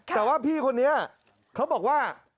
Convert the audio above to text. แต่ว่าพี่คนนี้เขาบอกว่า